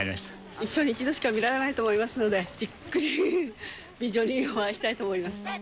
一生に一度しか見られないと思いますので、じっくり美女にお会いしたいと思います。